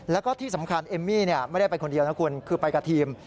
แล้วก็ที่สำคัญเอมมี่ไม่ได้ไปคนเดียวนะคุณคือไปกับทีม